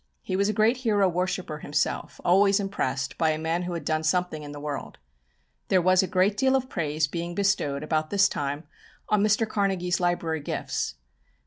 He was a great hero worshipper himself, always impressed by a man who had done something in the world. There was a great deal of praise being bestowed about this time on Mr. Carnegie's library gifts. Dr.